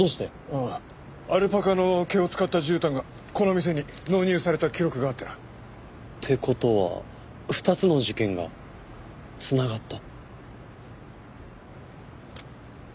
ああアルパカの毛を使った絨毯がこの店に納入された記録があってな。って事は２つの事件が繋がった？